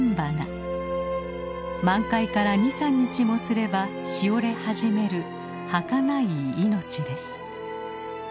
満開から２３日もすればしおれ始めるはかない命です。